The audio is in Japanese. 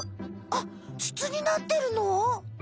あっつつになってるの？